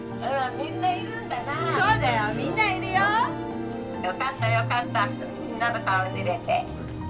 みんなの顔見れて。